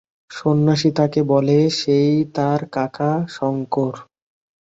সন্ন্যাসী তাকে বলে সেই তার কাকা শংকর।